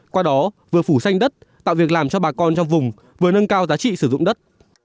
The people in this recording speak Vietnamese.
qua đó vừa phủ xanh đất tạo việc làm cho bà con trong vùng vừa nâng cao giá trị sử dụng đất